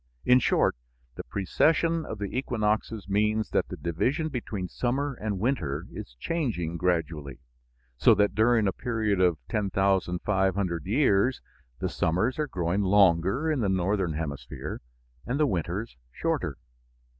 In short, the precession of the equinoxes means that the division between summer and winter is changing gradually, so that during a period of 10,500 years the summers are growing longer in the northern hemisphere and the winters shorter.